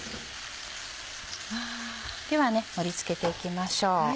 では盛り付けていきましょう。